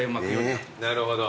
なるほど。